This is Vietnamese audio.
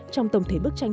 trong tổng thể bức tranh